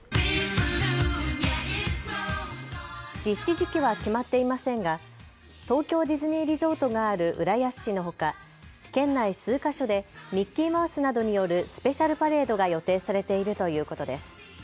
実施時期は決まっていませんが東京ディズニーリゾートがある浦安市のほか県内数か所でミッキーマウスなどによるスペシャルパレードが予定されているということです。